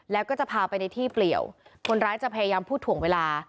แล้วก็จะพาไปในที่เปลี่ยวคนร้ายจะพยายามพูดถ่วงเวลา